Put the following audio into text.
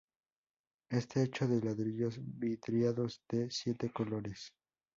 Está hecho de ladrillos vidriados de siete colores.